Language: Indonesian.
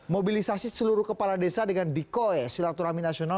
mobilisasi seluruh kepala desa dengan dikoi silaturahmi nasional